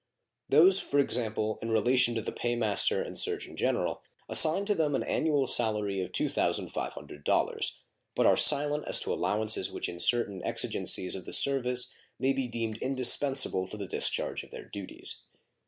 Those, for example, in relation to the Pay Master and Surgeon General assign to them an annual salary of $2.500, but are silent as to allowances which in certain exigencies of the service may be deemed indispensable to the discharge of their duties.